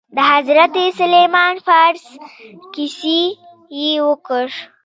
د حضرت سلمان فارس کيسه يې وکړه.